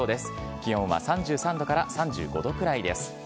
気温は３３度から３５度くらいです。